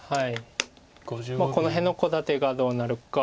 この辺のコウ立てがどうなるか。